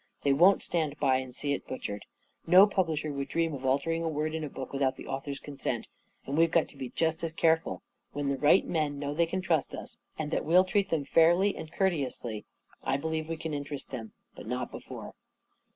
They won't stand by and see it butchered. No publisher would dream of altering a word in a book without the author's consent. And we've got to be just as careful. When the right men know they can trust us, and that we'll treat them fairly and courteously, I believe we can interest them. But not before."